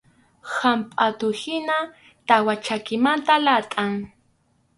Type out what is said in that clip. Hampʼatuhina tawa chakimanta latʼay.